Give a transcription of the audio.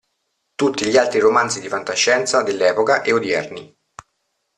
Tutti gli altri romanzi di fantascienza dell'epoca e odierni.